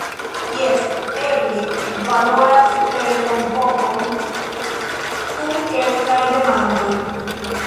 Jes, eble valoras telefonvokon kun kelkaj demandoj.